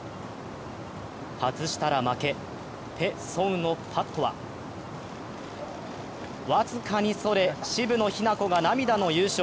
外したら負け、ペ・ソンウのパットは僅かにそれ、渋野日向子が涙の優勝